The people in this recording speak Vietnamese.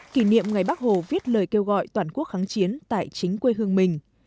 kỷ niệm ngày bác hồ viết lời kêu gọi toàn quốc kháng chiến tại chính quê hương mình